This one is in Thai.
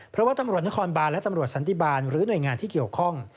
เพราะว่าตำรวจนครบานและตำรวจสันติบาลหรือหน่วยงานที่เกี่ยวข้อง